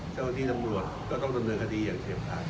เจ้าหน้าที่ตำรวจก็ต้องดำเนินคดีอย่างเฉียบขาด